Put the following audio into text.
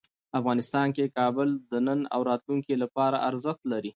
افغانستان کې کابل د نن او راتلونکي لپاره ارزښت لري.